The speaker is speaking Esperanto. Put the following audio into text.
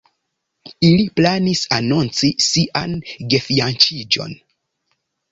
Ili planis anonci sian gefianĉiĝon.